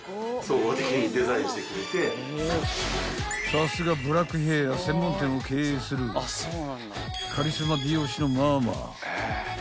［さすがブラックヘア専門店を経営するカリスマ美容師のママ］